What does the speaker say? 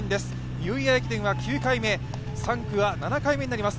ニューイヤー駅伝は９回目、３区は７回目となります。